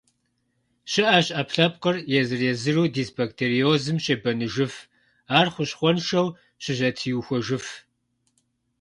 Щыӏэщ ӏэпкълъэпкъыр езыр-езыру дисбактериозым щебэныжыф, ар хущхъуэншэу щызэтриухуэжыф.